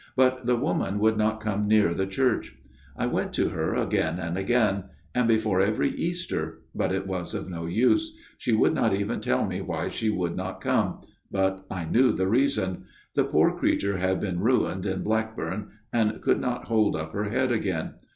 But the woman would not come near the church. I went to her again and again ; and before every Easter ; but it was of no use. She would not even tell me why she would not come ; but I knew the reason. The poor creature had been ruined in Blackburn, and could not hold up her head again.